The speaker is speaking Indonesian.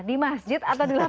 di masjid atau di